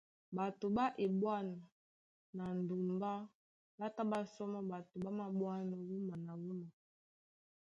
Ɓato ɓá eɓwân na ndumbá ɓá tá ɓá sɔmɔ́ ɓato ɓá maɓwánɔ̄ wúma na wúma.